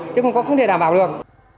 chúng tôi không thể đảm bảo được